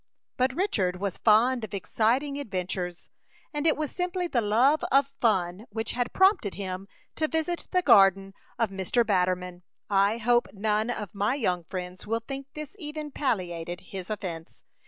But Richard was fond of exciting adventures, and it was simply the love of fun which had prompted him to visit the garden of Mr. Batterman. I hope none of my young friends will think this even palliated his offence.